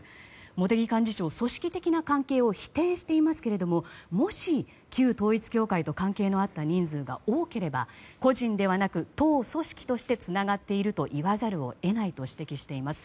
茂木幹事長、組織的な関係を否定していますがもし、旧統一教会と関係のあった人数が多ければ個人ではなく党組織としてつながっていると言わざるを得ないと指摘しています。